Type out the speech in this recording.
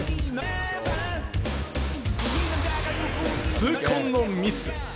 痛恨のミス。